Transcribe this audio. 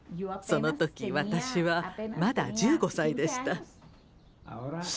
その時私はまだ１５歳でした。